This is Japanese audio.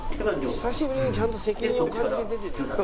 久しぶりにちゃんと責任を感じて出てんじゃない？